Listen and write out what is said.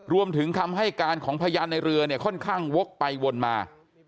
รวมถึงคำให้การของพยานในเรือเนี่ยค่อนข้างวกไปวนมา